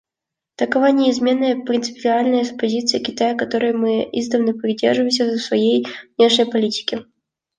Такова неизменная, принципиальная позиция Китая, которой мы издавна придерживаемся в своей внешней политике.